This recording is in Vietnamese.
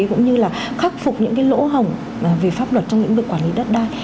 cũng như là khắc phục những cái lỗ hỏng về pháp luật trong những vực quản lý đất đai